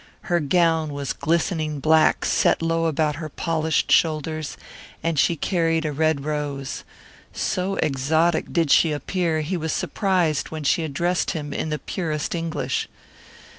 Her gown was glistening black set low about her polished shoulders, and she carried a red rose. So exotic did she appear he was surprised when she addressed him in the purest English.